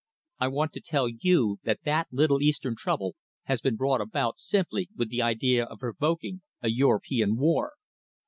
I want to tell you that that little eastern trouble has been brought about simply with the idea of provoking a European war.